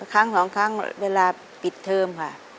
ครั้งสองครั้งเวลาปิดเทิมค่ะ